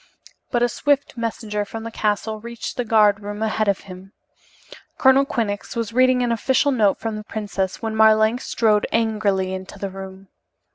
But a swift messenger from the castle reached the guard room ahead of him. Colonel Quinnox was reading an official note from the princess when Marlanx strode angrily into the room.